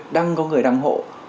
đăng có người đăng hộ